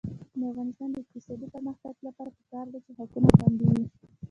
د افغانستان د اقتصادي پرمختګ لپاره پکار ده چې حقوق خوندي وي.